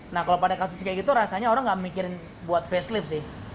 nah kalau pada kasus kayak gitu rasanya orang gak mikirin buat face lift sih